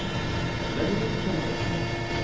レモン侍です。